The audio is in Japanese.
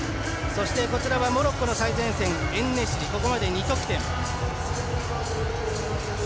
こちらはモロッコの最前線エンネシリ、ここまで２得点。